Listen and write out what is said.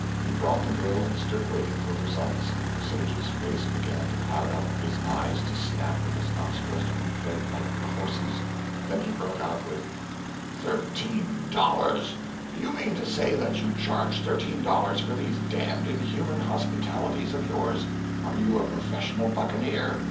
He brought the bill and stood waiting for results. Sage's face began to cloud up, his eyes to snap, and his nostrils to inflate like a horse's; then he broke out with "Thirteen dollars! You mean to say that you charge thirteen dollars for these damned inhuman hospitalities of yours? Are you a professional buccaneer?